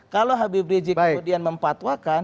kalau habib rizieq kemudian mempatuakan